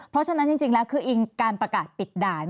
เพราะฉะนั้นจริงแล้วคืออิงการประกาศปิดด่าน